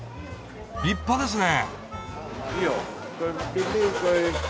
立派ですね。